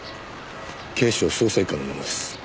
警視庁捜査一課の者です。